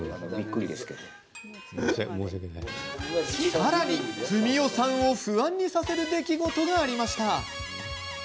さらに、史佳さんを不安にさせる出来事がありました。